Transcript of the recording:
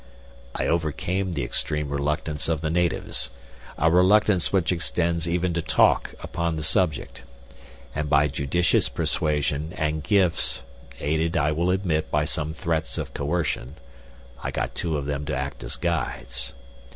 "I overcame the extreme reluctance of the natives a reluctance which extends even to talk upon the subject and by judicious persuasion and gifts, aided, I will admit, by some threats of coercion, I got two of them to act as guides.